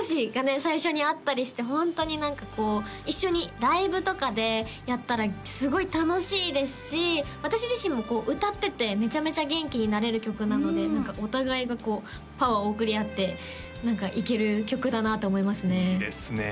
最初にあったりしてホントに何かこう一緒にライブとかでやったらすごい楽しいですし私自身もこう歌っててめちゃめちゃ元気になれる曲なのでお互いがこうパワーを送り合っていける曲だなと思いますねいいですね